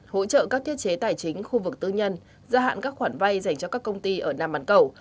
hỗ trợ các thiết chế tài chính khu vực tư nhân gia hạn các khoản vay dành cho các công ty ở nam bán cầu